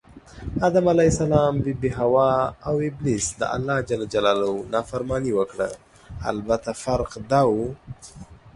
آدم ع، بي بي حوا اوابلیس دالله ج نافرماني وکړه البته فرق دا و